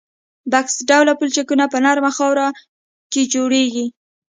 بکس ډوله پلچکونه په نرمه خاوره کې جوړیږي